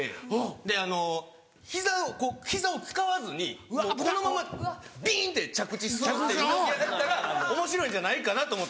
であの膝を使わずにこのままビンって着地するっていう動きをやったらおもしろいんじゃないかなと思って。